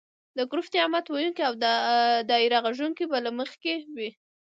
د ګروپ نعت ویونکي او دایره غږونکې به مخکې وي.